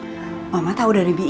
emangnya mama tau masakan kesukaan aku